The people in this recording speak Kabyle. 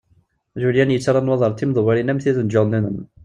Julien yettarra nnwaḍer d timdewwrin am tid n John Lennon.